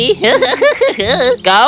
kau mencoba menendangku dengan kakimu